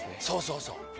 そうそうそう。